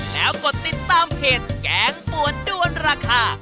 แล้วกดติดตามเพจแกงปวดด้วนราคา